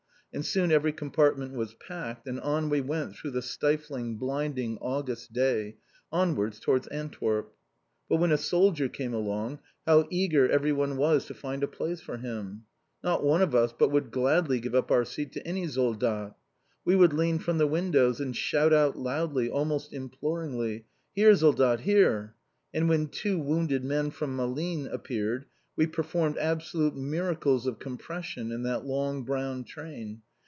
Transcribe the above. And soon every compartment was packed, and on we went through the stifling, blinding August day onwards towards Antwerp. But when a soldier came along, how eager everyone was to find a place for him! Not one of us but would gladly give up our seat to any soldat! We would lean from the windows, and shout out loudly, almost imploringly, "Here, soldat! Here!" And when two wounded men from Malines appeared, we performed absolute miracles of compression in that long, brown train.